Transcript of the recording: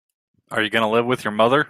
Are you going to live with your mother?